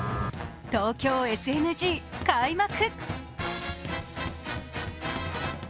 「東京ＳＮＧ」開幕。